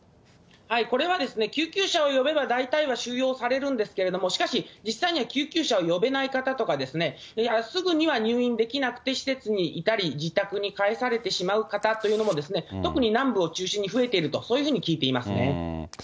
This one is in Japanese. これは救急車を呼べば、大体は収容されるんですけれども、しかし、実際には救急車を呼べない方とか、すぐには入院できなくて施設にいたり、自宅に帰されてしまう方というのも、特に南部を中心に増えていると、そういうふうに聞いていますね。